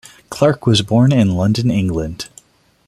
Clarke was born in London, England.